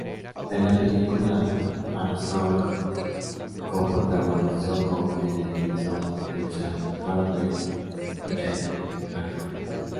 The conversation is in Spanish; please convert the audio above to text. En la película, Armstrong co-protagonizó con Helen Vinson, Richard Cromwell y Jack La Rue.